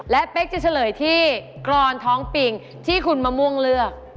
และเป๊กจะเฉลยที่กรอนท้องปิงที่คุณมะม่วงเลือก